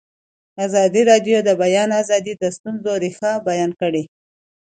ازادي راډیو د د بیان آزادي د ستونزو رېښه بیان کړې.